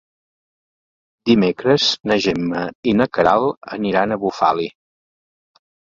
Dimecres na Gemma i na Queralt aniran a Bufali.